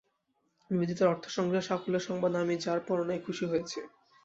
নিবেদিতার অর্থ-সংগ্রহের সাফল্যের সংবাদে আমি যার-পর-নাই খুশী হয়েছি।